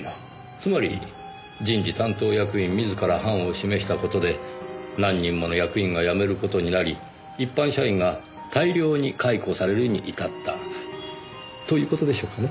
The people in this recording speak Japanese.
つまり人事担当役員自ら範を示した事で何人もの役員が辞める事になり一般社員が大量に解雇されるに至ったという事でしょうかね？